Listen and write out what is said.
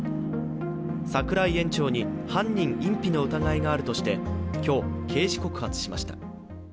櫻井園長に犯人隠避の疑いがあるとして今日、刑事告発しました。